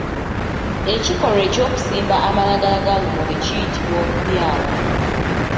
Ekikolwa eky’okusimba amalagala ga lumonde kiyitibwa okubyala.